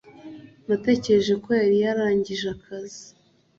natekereje ko yari yarangije akazi.